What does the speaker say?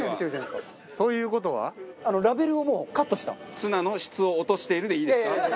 「ツナの質を落としている」でいいですか？